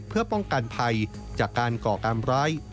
เพื่อป้องกันภัยจากการก่อการร้าย